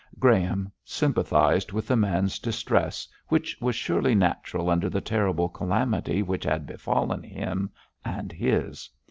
Graham sympathised with the man's distress, which was surely natural under the terrible calamity which had befallen him and his.